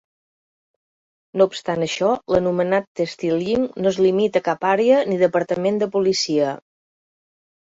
No obstant això, l'anomenat "testilying" no es limita a cap àrea ni departament de policia.